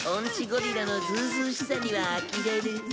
ゴリラのずうずうしさにはあきれる。